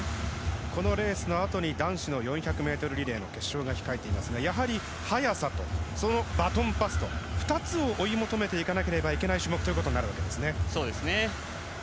このレースのあとに男子４００ｍリレーの決勝が控えていますがやはり速さとそのバトンパスと２つを追い求めていかなければいけない種目となるわけですね。